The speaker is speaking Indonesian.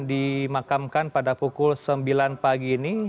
dimakamkan pada pukul sembilan pagi ini